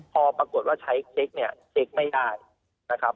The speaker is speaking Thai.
พอปรากฏว่าใช้เช็คเนี่ยเช็คไม่ได้นะครับ